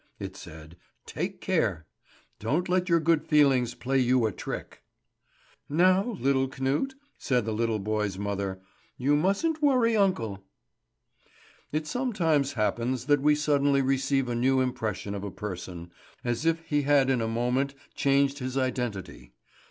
it said, "take care! Don't let your good feelings play you a trick!" "Now, little Knut," said the little boy's mother, "you mustn't worry uncle." It sometimes happens that we suddenly receive a new impression of a person, as if he had in a moment changed his identity.